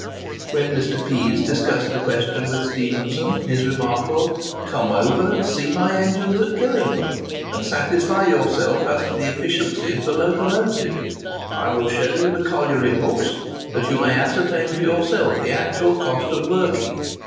When Mr. Pease discussed the question with Stephenson, his remark was, "Come over and see my engines at Killingworth, and satisfy yourself as to the efficiency of the locomotive. I will show you the colliery books, that you may ascertain for yourself the actual cost of working.